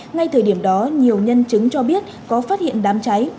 ngay thời điểm đó nhiều nhân chứng cho biết có phát hiện đám cháy